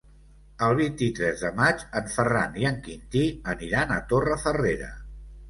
El vint-i-tres de maig en Ferran i en Quintí aniran a Torrefarrera.